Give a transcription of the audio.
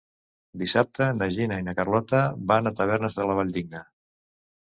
Dissabte na Gina i na Carlota van a Tavernes de la Valldigna.